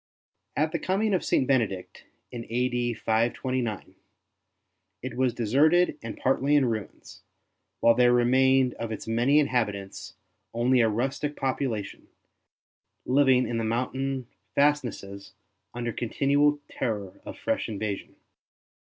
At the coming of St. Benedict in a.d. 529 it was deserted and partly in ruins, while there remained of its many inhabitants only a rustic population, living in the mountain fastnesses under continual terror of fresh invasion.